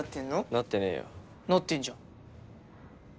なってねぇよなってんじゃん